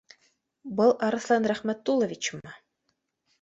Был Арыҫлан Рәхмәтулловичмы?